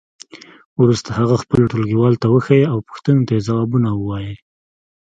وروسته هغه خپلو ټولګیوالو ته وښیئ او پوښتنو ته یې ځوابونه ووایئ.